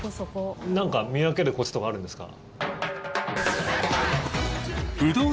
何か見分けるコツとかあるんですか？